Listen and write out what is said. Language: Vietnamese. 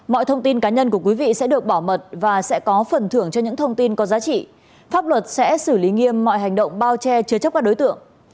mọi thông tin cá nhân của quý vị sẽ được bảo mật và sẽ có phần thưởng cho những thông tin có giá trị pháp luật sẽ xử lý nghiêm mọi hành động bao che chứa chấp các đối tượng